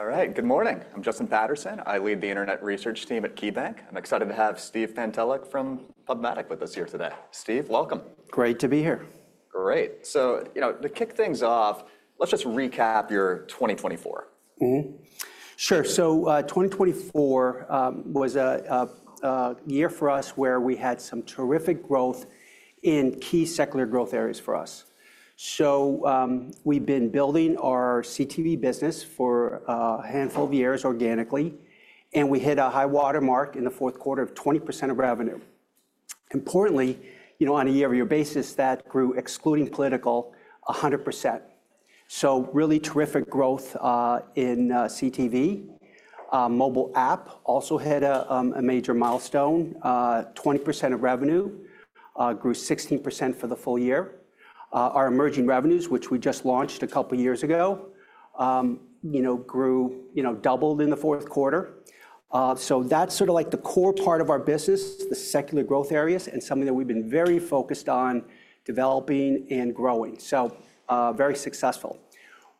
All right, good morning. I'm Justin Patterson. I lead the Internet Research Team at KeyBanc. I'm excited to have Steve Pantelick from PubMatic with us here today. Steve, welcome. Great to be here. Great. You know, to kick things off. Let's just recap your 2024. Sure. 2024 was a year for us where we had some terrific growth in key secular growth areas for us. We've been building our CTV business for a handful of years organically, and we hit a high watermark in the fourth quarter of 20% of revenue. Importantly, you know, on a yearly basis, that grew, excluding political, 100%. Really terrific growth in CTV. Mobile app also hit a major milestone, 20% of revenue, grew 16% for the full year. Our emerging revenues, which we just launched a couple of years ago, you know, doubled in the fourth quarter. That's sort of like the core part of our business, the secular growth areas, and something that we've been very focused on developing and growing. Very successful.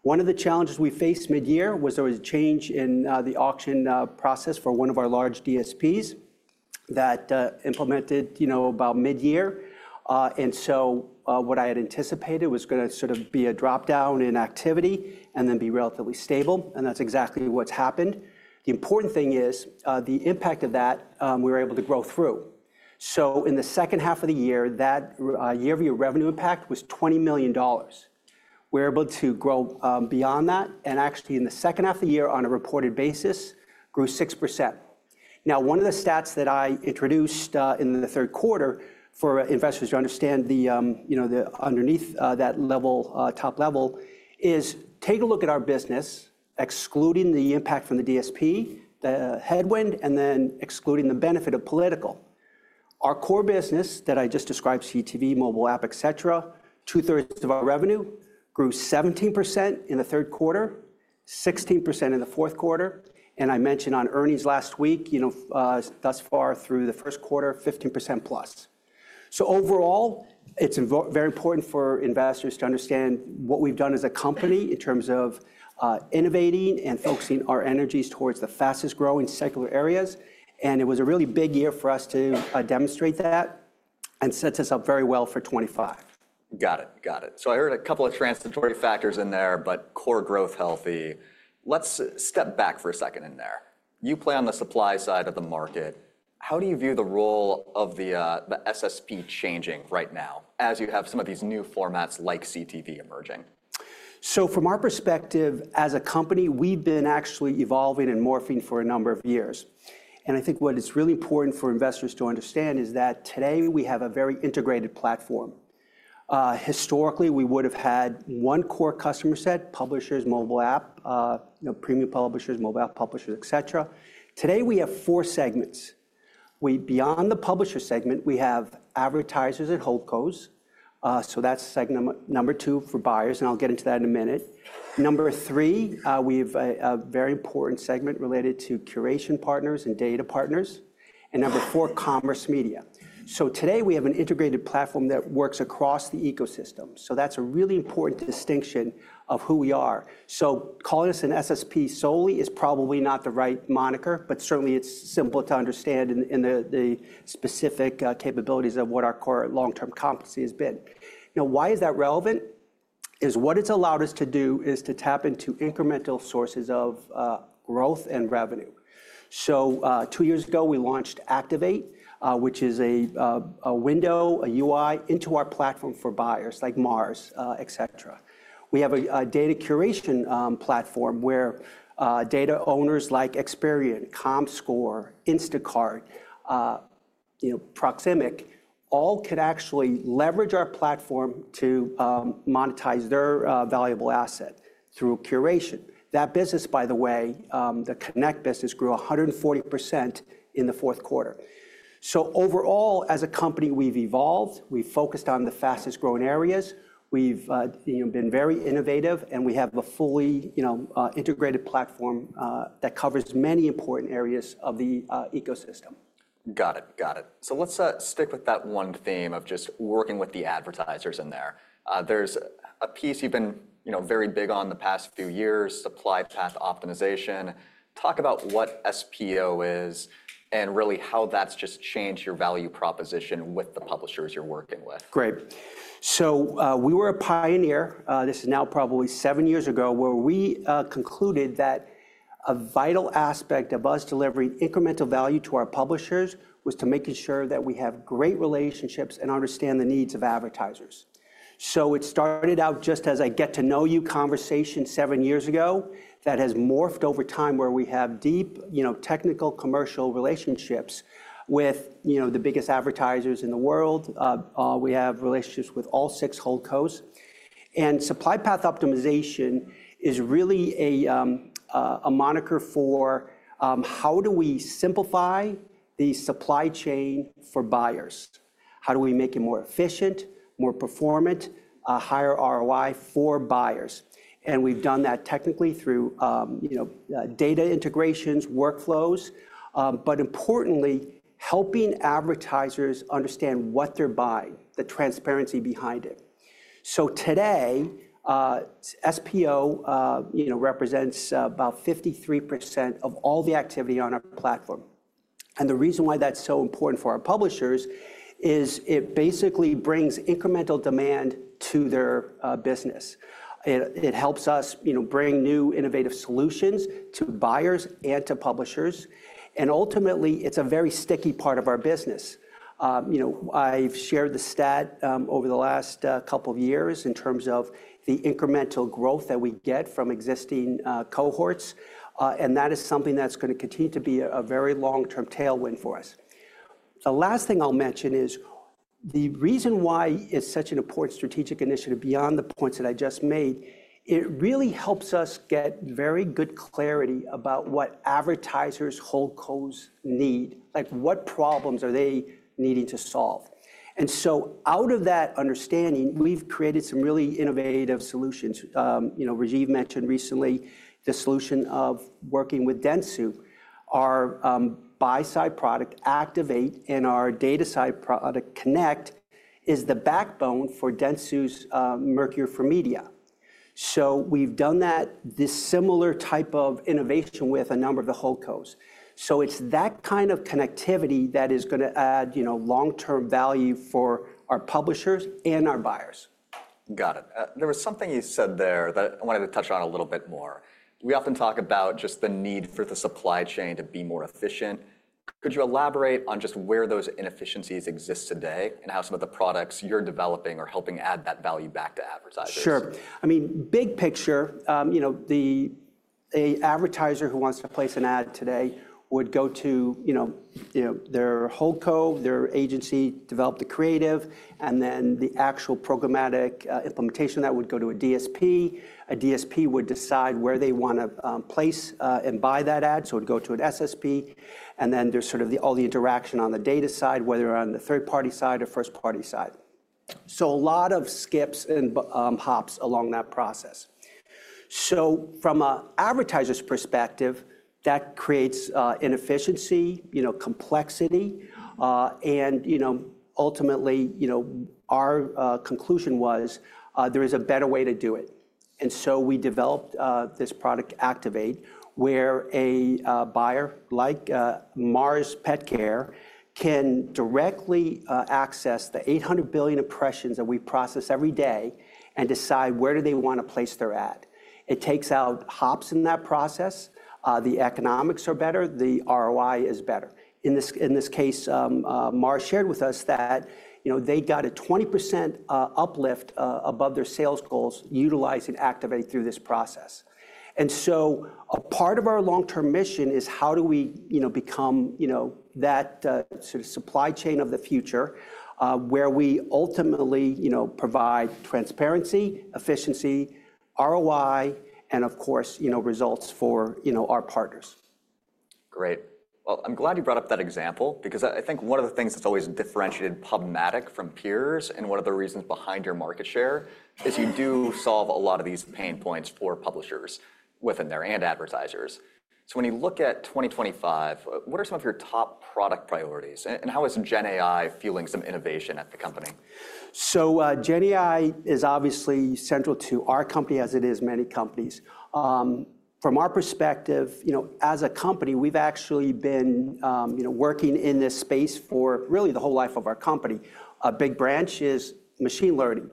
One of the challenges we faced midyear was there was a change in the auction process for one of our large DSPs that implemented, you know, about midyear. What I had anticipated was going to sort of be a drop-down in activity and then be relatively stable, that's exactly what's happened. The important thing is the impact of that we were able to grow through. In the second half of the year, that year-over-year revenue impact was $20 million. We were able to grow beyond that. Actually, in the second half of the year, on a reported basis, grew 6%. Now, one of the stats that I introduced in the third quarter for investors to understand the, you know, the underneath that level, top level, is take a look at our business excluding the impact from the DSP, the headwind, and then excluding the benefit of political. Our core business that I just described — CTV, mobile app, etc. — two-thirds of our revenue grew 17% in the third quarter, 16% in the fourth quarter. I mentioned on earnings last week, you know, thus far through the first quarter, 15% plus. Overall, it's very important for investors to understand what we've done as a company in terms of innovating and focusing our energies towards the fastest-growing secular areas. It was a really big year for us to demonstrate that and sets us up very well for 2025. Got it. Got it. I heard a couple of transitory factors in there, but core growth healthy. Let's step back for a second in there. You play on the supply side of the market. How do you view the role of the SSP changing right now as you have some of these new formats like CTV emerging? From our perspective as a company, we've been actually evolving and morphing for a number of years. I think what is really important for investors to understand is that today we have a very integrated platform. Historically, we would have had one core customer set — publishers, mobile app, you know, premium publishers, mobile app publishers, etc. Today, we have four segments. Beyond the publisher segment, we have advertisers and holding companies; that's segment number two for buyers. I'll get into that in a minute. Number three, we have a very important segment related to curation partners and data partners. Number four, Commerce media. Today, we have an integrated platform that works across the ecosystem. That's a really important distinction of who we are. Calling us an SSP solely is probably not the right moniker, but certainly it's simple to understand in the specific capabilities of what our core long-term competency has been. Now, why is that relevant? What it's allowed us to do is to tap into incremental sources of growth and revenue. Two years ago, we launched Activate, which is a window, a UI into our platform for buyers like Mars, etc. We have a data curation platform where data owners like Experian, Comscore, Instacart, you know, Proximic, all could actually leverage our platform to monetize their valuable asset through curation. That business, by the way, the Connect business, grew 140% in the fourth quarter. Overall, as a company, we've evolved. We've focused on the fastest-growing areas. We've been very innovative, and we have a fully, you know, integrated platform that covers many important areas of the ecosystem. Got it. Got it. Let's stick with that one theme of just working with the advertisers in there. There's a piece you've been very big on the past few years, supply path optimization. Talk about what SPO is and really how that's just changed your value proposition with the publishers you're working with. Great. We were a pioneer — this is now probably seven years ago — where we concluded that a vital aspect of us delivering incremental value to our publishers was to make sure that we have great relationships and understand the needs of advertisers. It started out just as a get-to-know-you conversation seven years ago that has morphed over time, where we have deep, you know, technical commercial relationships with, you know, the biggest advertisers in the world. We have relationships with all six holdcos. Supply-path optimization is really a moniker for how do we simplify the supply chain for buyers? How do we make it more efficient, more performant, higher ROI for buyers? We have done that technically through, you know, data integrations, workflows, but importantly, helping advertisers understand what they are buying, the transparency behind it. Today, SPO, you know, represents about 53% of all the activity on our platform. The reason why that's so important for our publishers is it basically brings incremental demand to their business. It helps us, you know, bring new innovative solutions to buyers and to publishers. Ultimately, it's a very sticky part of our business. You know, I've shared the stat over the last couple of years in terms of the incremental growth that we get from existing cohorts. That is something that's going to continue to be a very long-term tailwind for us. The last thing I'll mention is the reason why it's such an important strategic initiative, beyond the points that I just made, it really helps us get very good clarity about what advertisers, holdcos, need — like what problems are they needing to solve. Out of that understanding, we've created some really innovative solutions. You know, Rajeev mentioned recently the solution of working with Dentsu. Our buy-side product, Activate, and our data-side product, Connect, are the backbone for Dentsu's Mercury for Media. We've done that, this similar type of innovation, with a number of the holdcos. It's that kind of connectivity that is going to add, you know, long-term value for our publishers and our buyers. Got it. There was something you said there that I wanted to touch on a little bit more. We often talk about just the need for the supply chain to be more efficient. Could you elaborate on just where those inefficiencies exist today and how some of the products you're developing are helping add that value back to advertisers? Sure. I mean, big picture, you know, the advertiser who wants to place an ad today would go to, you know, their whole code, their agency developed the creative, and then the actual programmatic implementation of that would go to a DSP. A DSP would decide where they want to place and buy that ad. It would go to an SSP. There is sort of all the interaction on the data side, whether on the third-party side or first-party side. A lot of skips and hops along that process. From an advertiser's perspective, that creates inefficiency, you know, complexity. You know, ultimately our conclusion was there is a better way to do it. We developed this product, Activate, where a buyer like Mars Petcare can directly access the 800 billion impressions that we process every day and decide where they want to place their ad. It takes out hops in that process. The economics are better. The ROI is better. In this case, Mars shared with us that, you know, they got a 20% uplift above their sales goals utilizing Activate through this process. A part of our long-term mission is how do we, you know, become, you know, that sort of supply chain of the future where we ultimately, you know, provide transparency, efficiency, ROI, and, of course, you know, results for, you know, our partners. Great. I am glad you brought up that example because I think one of the things that has always differentiated PubMatic from peers and one of the reasons behind your market share is you do solve a lot of these pain points for publishers within there and advertisers. When you look at 2025, what are some of your top product priorities and how is GenAI fueling some innovation at the company? GenAI is obviously central to our company as it is many companies. From our perspective, you know, as a company, we've actually been, you know, working in this space for really the whole life of our company. A big branch is machine learning.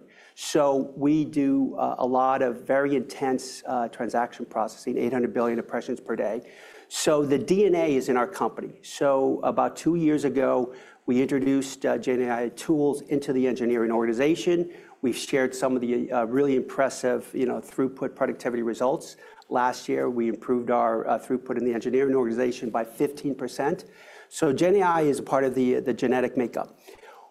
We do a lot of very intense transaction processing, 800 billion impressions per day. The DNA is in our company. About two years ago, we introduced GenAI tools into the engineering organization. We've shared some of the really impressive, you know, throughput productivity results. Last year, we improved our throughput in the engineering organization by 15%. GenAI is a part of the Genetic Makeup.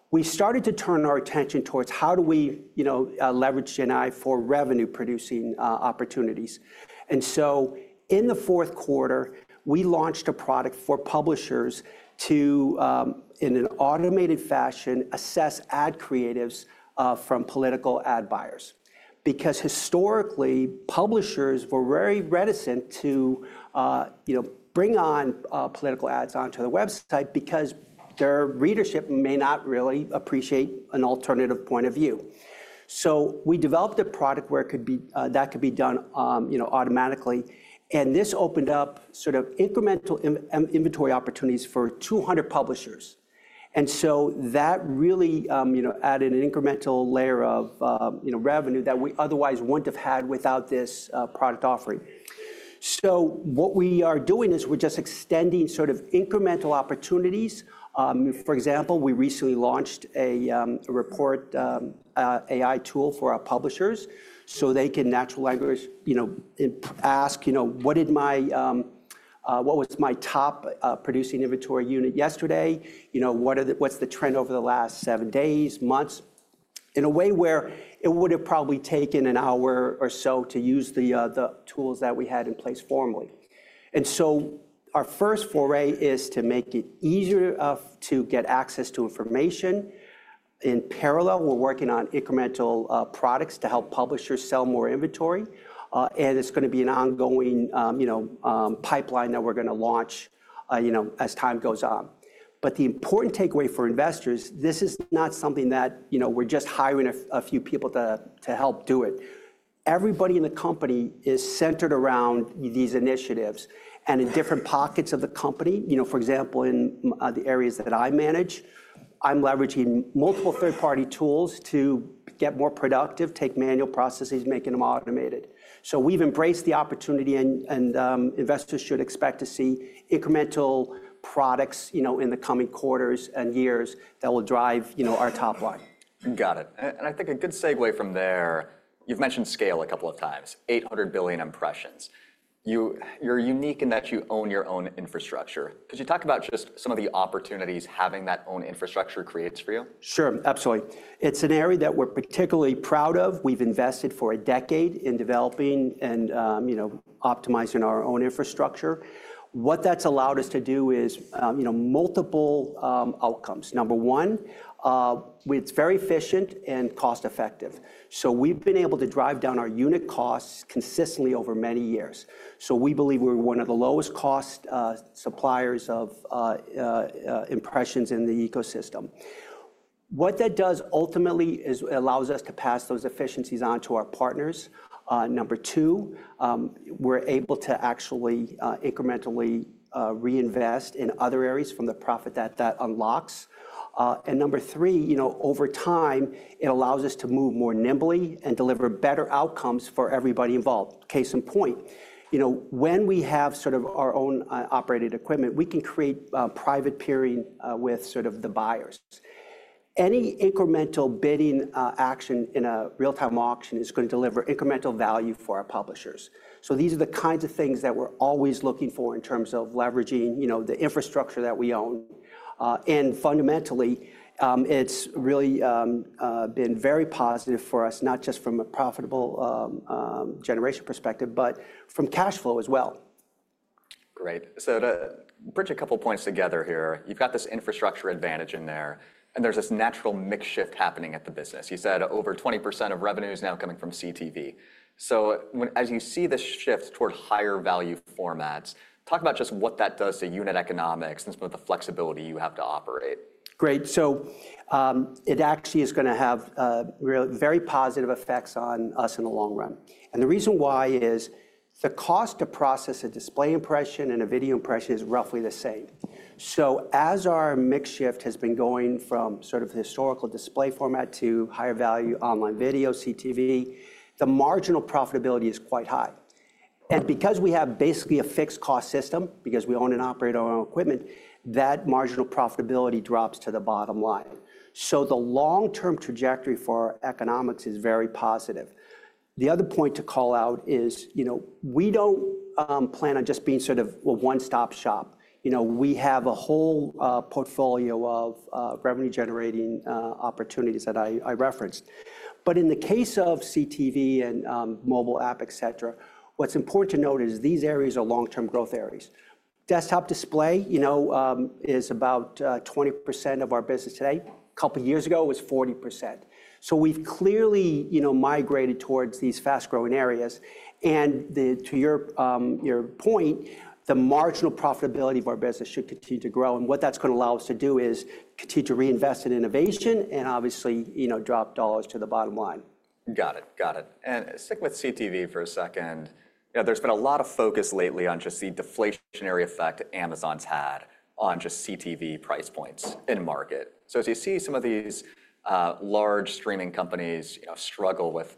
We started to turn our attention towards how do we, you know, leverage GenAI for revenue-producing opportunities. In the fourth quarter, we launched a product for publishers to, in an automated fashion, assess ad creatives from political ad buyers because, historically, publishers were very reticent to, you know, bring on political ads onto the website because their readership may not really appreciate an alternative point of view. We developed a product where it could be — that could be done, you know, automatically. This opened up, sort of, incremental inventory opportunities for 200 publishers. That really, you know, added an incremental layer of, you know, revenue that we otherwise wouldn't have had without this product offering. What we are doing is we're just extending, sort of, incremental opportunities. For example, we recently launched a report-AI tool for our publishers so they can, natural language, you know, ask, you know, what did my — what was my top producing inventory unit yesterday? You know, what's the trend over the last seven days, months in a way where it would have probably taken an hour or so to use the tools that we had in place formerly. Our first foray is to make it easier to get access to information. In parallel, we're working on incremental products to help publishers sell more inventory. It's going to be an ongoing, you know, pipeline that we're going to launch, you know, as time goes on. The important takeaway for investors, this is not something that, you know, we're just hiring a few people to help do it. Everybody in the company is centered around these initiatives and in different pockets of the company. You know, for example, in the areas that I manage, I'm leveraging multiple third-party tools to get more productive, take manual processes, making them automated. We've embraced the opportunity and investors should expect to see incremental products, you know, in the coming quarters and years that will drive, you know, our top line. Got it. I think a good segue from there — you've mentioned scale a couple of times, 800 billion impressions. You're unique in that you own your own infrastructure. Could you talk about just some of the opportunities having that owned infrastructure creates for you? Sure. Absolutely. It's an area that we're particularly proud of. We've invested for a decade in developing and, you know, optimizing our own infrastructure. What that's allowed us to do is multiple outcomes. Number one, it's very efficient and cost-effective. We've been able to drive down our unit costs consistently over many years. We believe we're one of the lowest-cost suppliers of impressions in the ecosystem. What that does, ultimately, is it allows us to pass those efficiencies on to our partners. Number two, we're able to actually incrementally reinvest in other areas from the profit that that unlocks. Number three, you know, over time, it allows us to move more nimbly and deliver better outcomes for everybody involved. Case in point, you know, when we have, sort of, our own operated equipment, we can create Private peering with, sort of, the buyers. Any incremental bidding action in a real-time auction is going to deliver incremental value for our publishers. These are the kinds of things that we're always looking for in terms of leveraging, you know, the infrastructure that we own. Fundamentally, it's really been very positive for us, not just from a profitable generation perspective, but from cash flow as well. Great. To bridge a couple of points together here, you've got this infrastructure advantage in there and there's this natural mix shift happening at the business. You said over 20% of revenue is now coming from CTV. As you see this shift toward higher value formats, talk about just what that does to unit economics and some of the flexibility you have to operate. Great. It actually is going to have very positive effects on us in the long run. The reason why is the cost to process a display impression and a video impression is roughly the same. As our mix shift has been going from sort of historical display format to higher value online video, CTV, the marginal profitability is quite high. Because we have basically a fixed cost system, because we own and operate our own equipment, that marginal profitability drops to the bottom line. The long-term trajectory for our economics is very positive. The other point to call out is, you know, we do not plan on just being sort of a one-stop shop. You know, we have a whole portfolio of revenue-generating opportunities that I referenced. In the case of CTV and mobile app, et cetera, what's important to note is these areas are long-term growth areas. Desktop display, you know, is about 20% of our business today. A couple of years ago, it was 40%. We have clearly, you know, migrated towards these fast-growing areas. To your point, the marginal profitability of our business should continue to grow. What that's going to allow us to do is continue to reinvest in innovation and, obviously, you know, drop dollars to the bottom line. Got it. Got it. And stick with CTV for a second. You know, there's been a lot of focus lately on just the deflationary effect Amazon's had on just CTV price points in the market. You see some of these large streaming companies, you know, struggle with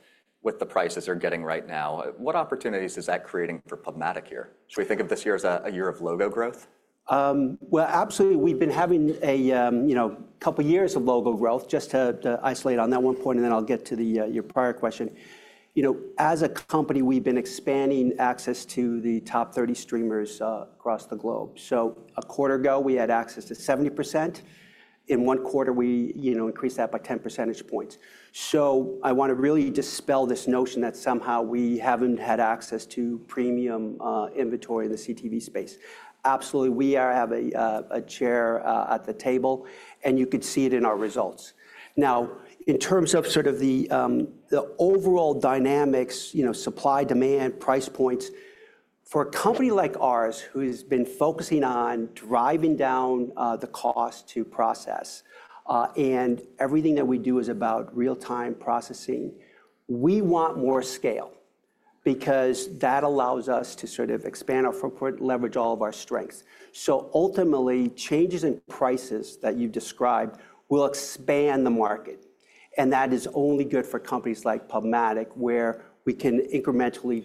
the prices they're getting right now, what opportunities is that creating for PubMatic here? Should we think of this year as a year of logo growth? Absolutely. We've been having a, you know, couple of years of logo growth, just to isolate on that one point. And then I'll get to your prior question. You know, as a company, we've been expanding access to the top 30 streamers across the globe. A quarter ago, we had access to 70%. In one quarter, we increased that by 10 percentage points. I want to really dispel this notion that somehow we haven't had access to premium inventory in the CTV space. Absolutely. We have a chair at the table, and you could see it in our results. Now, in terms of sort of the overall dynamics, you know, supply, demand, price points for a company like ours who has been focusing on driving down the cost to process and everything that we do is about real-time processing, we want more scale because that allows us to sort of expand our footprint, leverage all of our strengths. Ultimately, changes in prices that you've described will expand the market. That is only good for companies like PubMatic where we can incrementally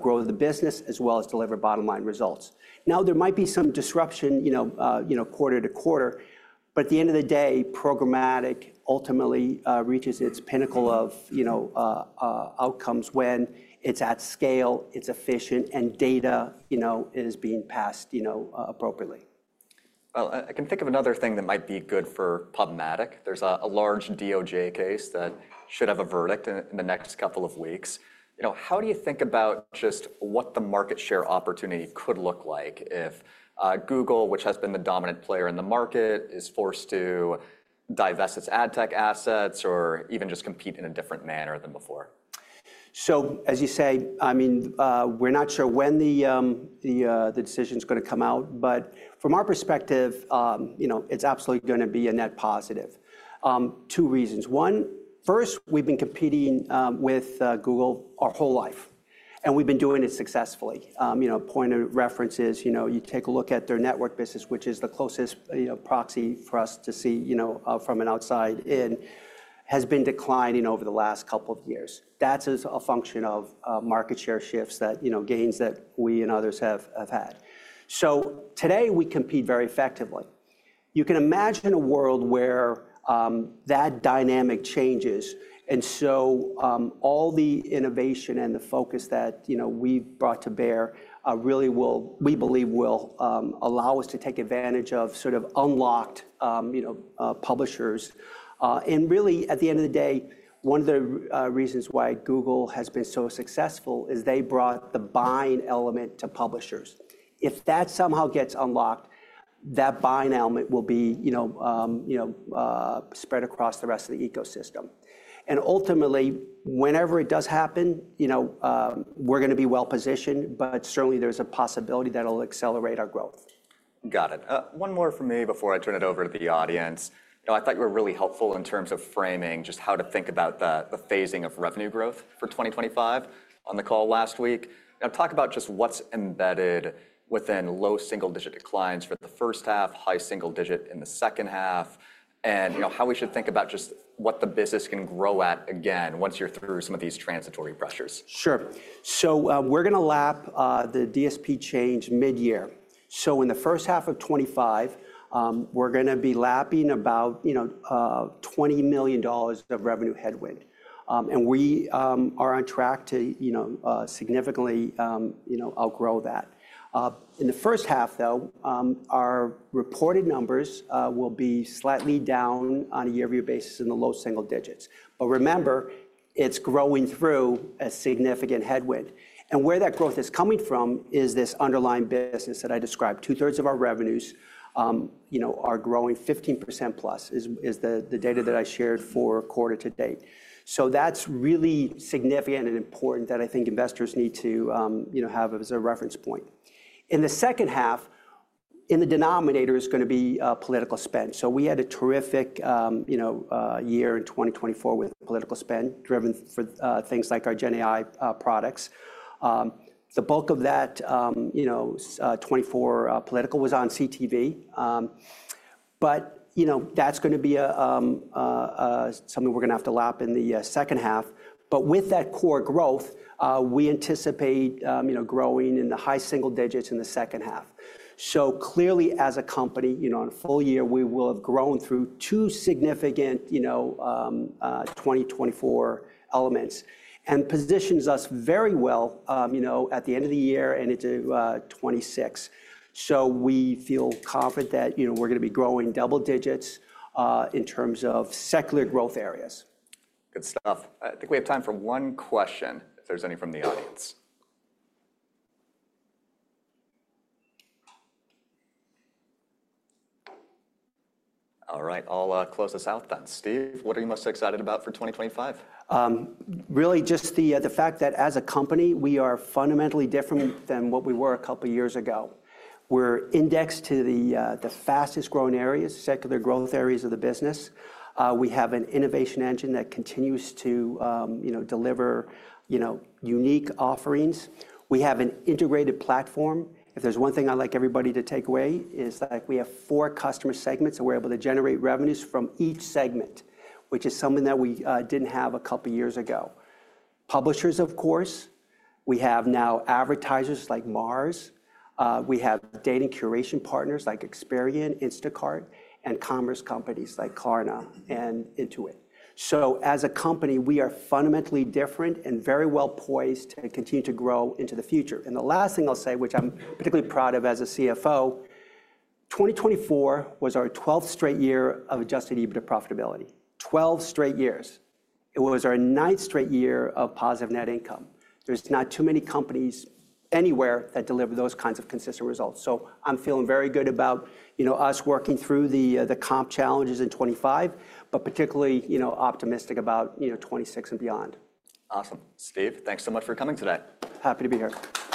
grow the business as well as deliver bottom-line results. There might be some disruption, you know, quarter to quarter, but at the end of the day, programmatic ultimately reaches its pinnacle of outcomes when it's at scale, it's efficient and data is being passed appropriately. I can think of another thing that might be good for PubMatic. There's a large DOJ case that should have a verdict in the next couple of weeks. You know, how do you think about just what the market share opportunity could look like if Google, which has been the dominant player in the market, is forced to divest its ad tech assets or even just compete in a different manner than before? As you say, I mean, we're not sure when the decision is going to come out, but from our perspective, you know, it's absolutely going to be a net positive. Two reasons. One, first, we've been competing with Google our whole life, and we've been doing it successfully. You know, point of reference is, you know, you take a look at their network business, which is the closest proxy for us to see, you know, from an outside-in, has been declining over the last couple of years. That's a function of market-share shifts that, you know, gains that we and others have had. Today, we compete very effectively. You can imagine a world where that dynamic changes. All the innovation and the focus that, you know, we've brought to bear really will, we believe, allow us to take advantage of, sort of, unlocked, you know, publishers. Really, at the end of the day, one of the reasons why Google has been so successful is they brought the buying element to publishers. If that somehow gets unlocked, that buying element will be, you know, spread across the rest of the ecosystem. Ultimately, whenever it does happen, you know, we're going to be well positioned, but certainly there's a possibility that it'll accelerate our growth. Got it. One more for me before I turn it over to the audience. You know, I thought you were really helpful in terms of framing just how to think about the phasing of revenue growth for 2025 on the call last week. Now, talk about just what's embedded within low single-digit declines for the first half, high single-digit in the second half, and, you know, how we should think about just what the business can grow at again once you're through some of these transitory pressures. Sure. We are going to lap the DSP change mid-year. In the first half of 2025, we are going to be lapping about, you know, $20 million of revenue headwind. We are on track to, you know, significantly, you know, outgrow that. In the first half, though, our reported numbers will be slightly down on a year-over-year basis in the low single digits. Remember, it is growing through a significant headwind. Where that growth is coming from is this underlying business that I described. Two-thirds of our revenues, you know, are growing 15% plus, which is the data that I shared for quarter-to-date. That is really significant and important that I think investors need to, you know, have as a reference point. In the second half, the denominator is going to be political spend. We had a terrific, you know, year in 2024 with political spend driven for things like our GenAI products. The bulk of that, you know, 2024 political was on CTV. You know, that's going to be something we're going to have to lap in the second half. With that core growth, we anticipate, you know, growing in the high single digits in the second half. Clearly, as a company, you know, in a full year, we will have grown through two significant, you know, 2024 elements and positions us very well, you know, at the end of the year and into 2026. We feel confident that, you know, we're going to be growing double digits in terms of secular growth areas. Good stuff. I think we have time for one question if there's any from the audience. All right. I'll close us out then. Steve, what are you most excited about for 2025? Really, just the fact that as a company, we are fundamentally different than what we were a couple of years ago. We're indexed to the fastest growing areas, secular growth areas of the business. We have an innovation engine that continues to, you know, deliver, you know, unique offerings. We have an integrated platform. If there's one thing I'd like everybody to take away, it's that we have four customer segments that we're able to generate revenues from each segment, which is something that we didn't have a couple of years ago. Publishers, of course. We have now advertisers like Mars. We have data and curation partners like Experian, Instacart, and commerce companies like Klarna and Intuit. As a company, we are fundamentally different and very well poised to continue to grow into the future. The last thing I'll say, which I'm particularly proud of as a CFO, 2024 was our 12th straight year of adjusted EBITDA profitability. Twelve straight years. It was our ninth straight year of positive net income. There's not too many companies anywhere that deliver those kinds of consistent results. I'm feeling very good about, you know, us working through the comp challenges in 2025, but particularly, you know, optimistic about, you know, 2026 and beyond. Awesome. Steve, thanks so much for coming today. Happy to be here.